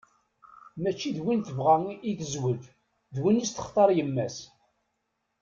Mačči d win tebɣa i tezweǧ, d win i s-textar yemma-s.